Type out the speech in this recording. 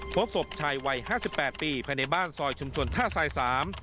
พบศพชายวัยห้าสิบแปดปีภายในบ้านซอยชุมชนท่าทรายสาม